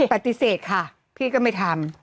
ปฏิเสธค่ะพี่ก็ไม่ทำ